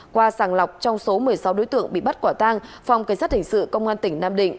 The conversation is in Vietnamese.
qua sàng lọc trong số một mươi sáu đối tượng bị bắt quả tang phòng cảnh sát hình sự công an tỉnh nam định